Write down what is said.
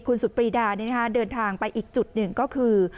คุณสุดปรีดาเดินทางไปอีกจุดหนึ่งก็คือ